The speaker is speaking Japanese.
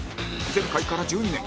前回から１２年